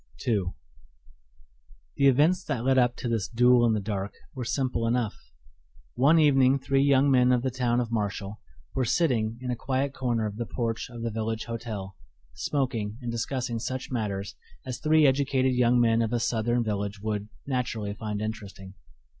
II The events that led up to this "duel in the dark" were simple enough. One evening three young men of the town of Marshall were sitting in a quiet corner of the porch of the village hotel, smoking and discussing such matters as three educated young men of a Southern village would naturally find interesting.